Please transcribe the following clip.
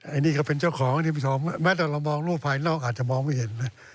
ไอ้นี่ก็เป็นเจ้าของแม้แต่เรามองรูปภัยนอกอาจจะมองไม่เห็นนะ